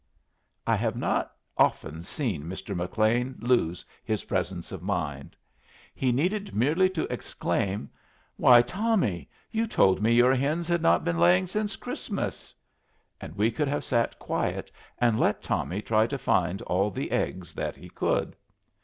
I have not often seen Mr. McLean lose his presence of mind. He needed merely to exclaim, "Why, Tommy, you told me your hens had not been laying since Christmas!" and we could have sat quiet and let Tommy try to find all the eggs that he could.